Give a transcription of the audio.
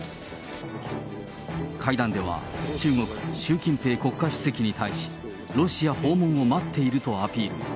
会談では、中国、習近平国家主席に対し、ロシア訪問を待っているとアピール。